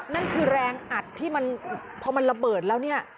นั่นคือแรงอัดที่มันพอมันระเบิดแล้วเนี่ย